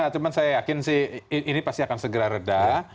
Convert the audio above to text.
cuma saya yakin sih ini pasti akan segera reda